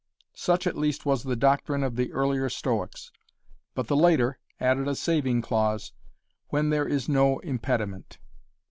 Such at least was the doctrine of the earlier Stoics, but the later added a saving clause, "when there is no impediment."